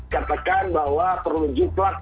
katakan bahwa perlu juplak